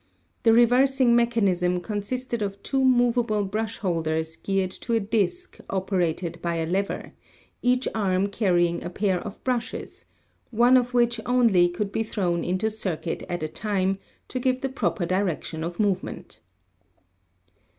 The reversing mechanism consisted of two movable brushholders geared to a disk operated by a lever, each arm carrying a pair of brushes, one of which only could be thrown into circuit at a time, to give the proper direction of movement.